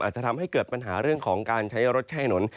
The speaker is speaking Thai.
จะทำให้เกิดปัญหาเรื่องของการใช้รถใช้ถนน